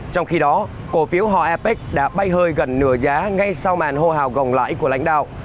trong khi đó cổ phiếu hò apec đã bay hơi gần nửa giá ngay sau màn hô hào gồng lãi của lãnh đạo